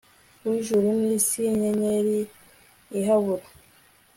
w'ijuru n'isi, nyenyeri ihabura